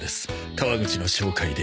川口の紹介で。